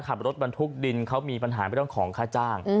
ขับรถบรรทุกดินเขามีปัญหาเรื่องของค่าจ้าง